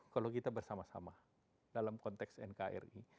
kalau kita bersama sama dalam konteks nkri